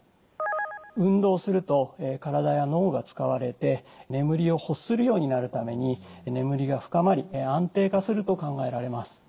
運動すると体や脳が使われて眠りを欲するようになるために眠りが深まり安定化すると考えられます。